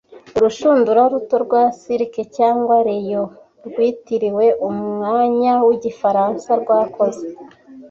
Urushundura ruto rwa silk cyangwa Rayon rwitiriwe umwanya wigifaransa rwakoze